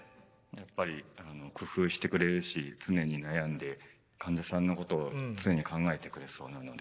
やっぱり工夫してくれるし常に悩んで患者さんのことを常に考えてくれそうなので。